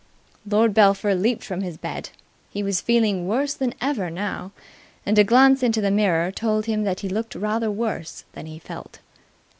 Lord Belpher leaped from his bed. He was feeling worse than ever now, and a glance into the mirror told him that he looked rather worse than he felt.